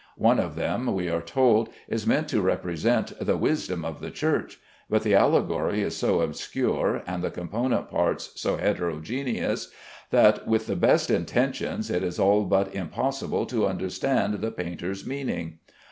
One of them, we are told, is meant to represent the "Wisdom of the Church," but the allegory is so obscure and the component parts so heterogeneous, that with the best intentions it is all but impossible to understand the painter's meaning.